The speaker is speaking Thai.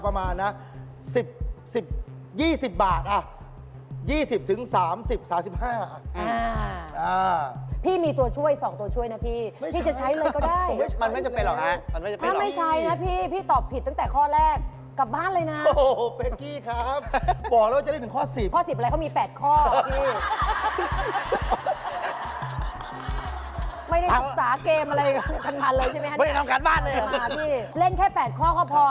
ผมเลือกอันนี้ครับ